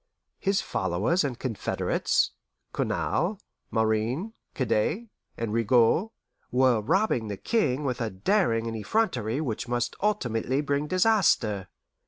His followers and confederates, Cournal, Marin, Cadet, and Rigaud, were robbing the King with a daring and effrontery which must ultimately bring disaster.